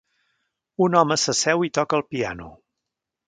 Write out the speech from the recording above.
Un home s'asseu i toca el piano